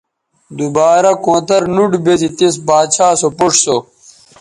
دوبارہ کونتر نوٹ بیزی تس باچھا سو پوڇ سو